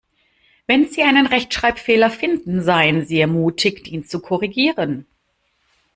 Wenn Sie einen Rechtschreibfehler finden, seien Sie ermutigt, ihn zu korrigieren.